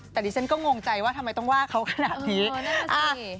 แต่ดิฉันก็งงใจว่าทำไมต้องว่าเขาขนาดนี้